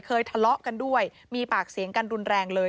ทะเลาะกันด้วยมีปากเสียงกันรุนแรงเลย